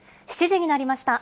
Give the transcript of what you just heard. ７時になりました。